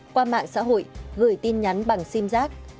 qua mạng xã hội gửi tin nhắn bằng sim giác